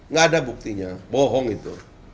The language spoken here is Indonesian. nggak ada buktinya bohong itu